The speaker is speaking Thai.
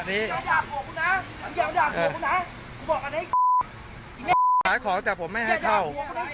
มีคนมาขายขอจับผมไม่ให้เข้า